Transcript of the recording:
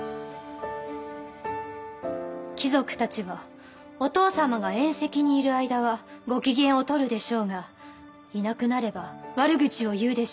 貴族たちはお父様が宴席にいる間はご機嫌を取るでしょうがいなくなれば悪口を言うでしょう。